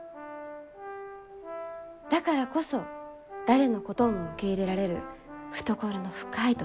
だからこそ誰のことも受け入れられる懐の深い土地です。